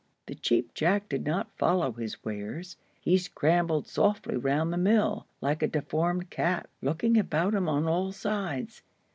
The Cheap Jack did not follow his wares; he scrambled softly round the mill, like a deformed cat, looking about him on all sides.